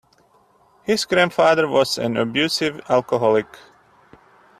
His grandfather was an abusive alcoholic.